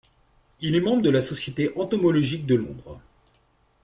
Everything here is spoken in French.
Il est membre de la Société entomologique de Londres.